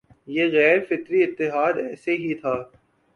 یہ غیر فطری اتحاد ایسے ہی تھا